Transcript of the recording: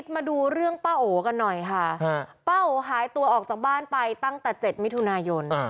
มาดูเรื่องป้าโอกันหน่อยค่ะป้าโอหายตัวออกจากบ้านไปตั้งแต่๗มิถุนายน